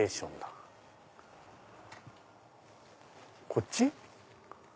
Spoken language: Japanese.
こっち？